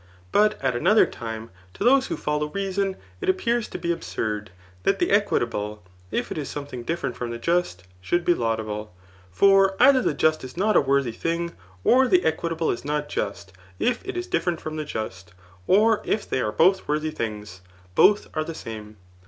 But at another time, to those who follow reason, it appears to be absurd, that the equitable, if it is some thing different from the just, should be laudable* For either the just is not a worthy thing, or the equitable is not just, if it is different from the just; or if they are both worthy things, both are the same.